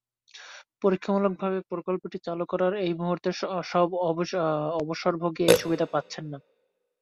পরীক্ষামূলকভাবে প্রকল্পটি চালু করায় এই মুহূর্তে সব অবসরভোগী এই সুবিধা পাচ্ছেন না।